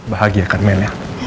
bahagia kan mel ya